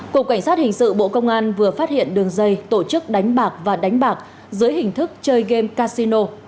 cục cảnh sát hình sự bộ công an vừa phát hiện đường dây tổ chức đánh bạc và đánh bạc dưới hình thức chơi game casino